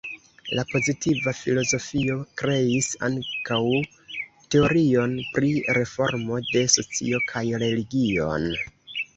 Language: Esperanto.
La pozitiva filozofio kreis ankaŭ teorion pri reformo de socio kaj religion.